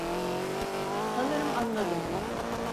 Sanırım anladım.